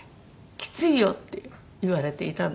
「きついよ」って言われていたんですよ。